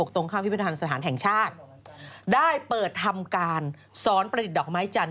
ตรงข้ามพิปธรรมสถานแห่งชาติได้เปิดทำการสอนประดิษฐดอกไม้จันท